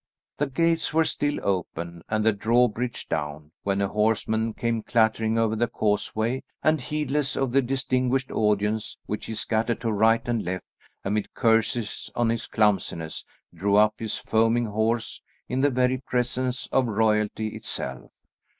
The gates were still open and the drawbridge down, when a horseman came clattering over the causeway, and, heedless of the distinguished audience, which he scattered to right and left, amid curses on his clumsiness, drew up his foaming horse in the very presence of royalty itself.